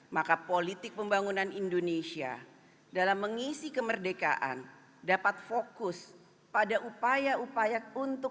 maka politik pembangunan indonesia dalam mengisi kemerdekaan dapat fokus pada upaya upaya untuk